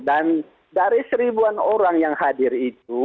dan dari seribuan orang yang hadir itu